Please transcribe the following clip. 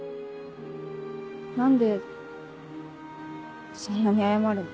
何でそんなに謝るの？